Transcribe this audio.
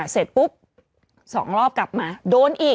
เสร็จปุ๊บ๒รอบกลับมาโดนอีก